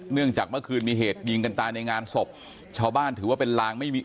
จากเมื่อคืนมีเหตุยิงกันตายในงานศพชาวบ้านถือว่าเป็นลางไม่มี